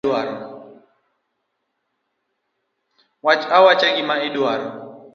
Wach awacha gima idwaro.